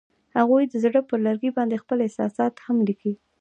هغوی د زړه پر لرګي باندې خپل احساسات هم لیکل.